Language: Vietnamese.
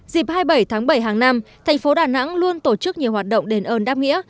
dịp hai mươi bảy tháng bảy hàng năm thành phố đà nẵng luôn tổ chức nhiều hoạt động đền ơn đáp nghĩa